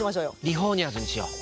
リフォーニャーズにしよう。